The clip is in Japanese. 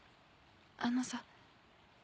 あのさ。